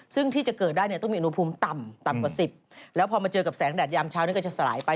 ซึ่งที่จะเกิดได้เนี่ยต้องมีอุณหภูมิต่ำต่ำกว่าสิบแล้วพอมาเจอกับแสงแดดยามเช้านี้ก็จะสลายไป